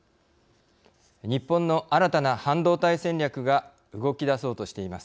日本の新たな半導体戦略が動き出そうとしています。